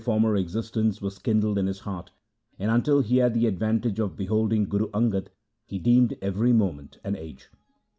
The devotion of a former existence was kindled in his heart, and until he had the advantage of beholding Guru Angad, he deemed every moment an age.